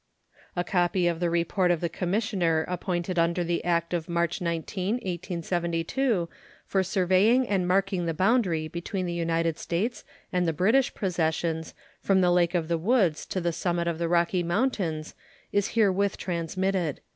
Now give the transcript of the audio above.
A copy of the report of the commissioner appointed under the act of March 19, 1872, for surveying and marking the boundary between the United States and the British possessions from the Lake of the Woods to the summit of the Rocky Mountains is herewith transmitted.